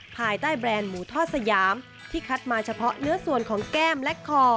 ภายใต้แบรนด์หมูทอดสยามที่คัดมาเฉพาะเนื้อส่วนของแก้มและคอ